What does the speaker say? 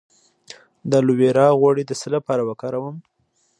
د الوویرا غوړي د څه لپاره وکاروم؟